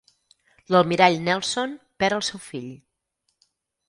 L'almirall Nelson perd el seu fill.